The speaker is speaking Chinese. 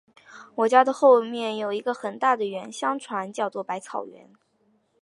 我家的后面有一个很大的园，相传叫作百草园